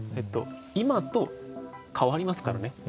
今と変わりますからね。